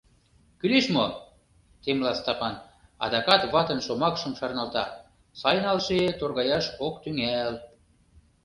Кӱлеш мо? — темла Стапан, адакат ватын шомакшым шарналта: «Сай налше, торгаяш ок тӱҥал.